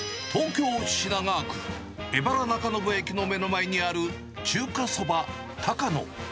東京・品川区荏原中延駅の目の前にある中華そば多賀野。